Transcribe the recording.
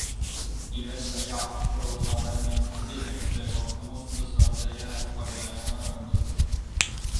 Investor Jaak Roosaare meenutas esimest töökohta mustsõstarde järelkorjajana Rõngus.